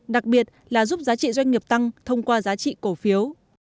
đặc biệt là giúp giá trị doanh nghiệp tăng thông qua giá trị cổ phiếu